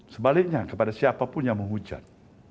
sebaliknya kepada siapapun yang menghujat